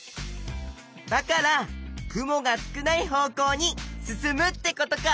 だから雲が少ない方向に進むってことか。